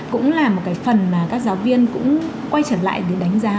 cũng là một cái phần mà các giáo viên cũng quay trở lại để đánh giá